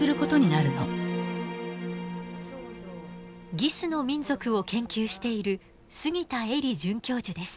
ギスの民族を研究している杉田映理准教授です。